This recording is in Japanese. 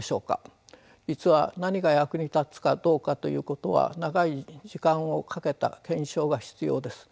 実は何が役に立つかどうかということは長い時間をかけた検証が必要です。